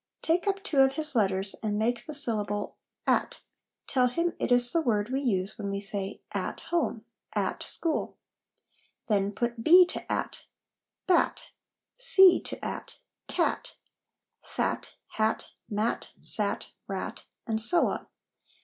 Take up two of his letters and make the syllable c at' : tell him it is the word we use when we say ' at home,' ' at school.' Then put b to 'at' bat\ <:to'at' cat \ fat, hat, "mat, sat, rat, and so on.